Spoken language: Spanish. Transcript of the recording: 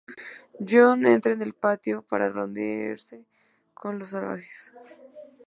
Jon entra en el patio para reunirse con los salvajes.